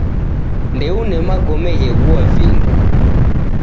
Ndeune magome gheghua vindo